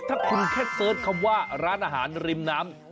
ถ้าคุณแค่เสิร์ชคำว่าร้านอาหารริมน้ำ